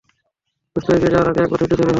দোস্ত, এগিয়ে যাওয়ার আগে একবার ধৈর্য ধরে ভাব।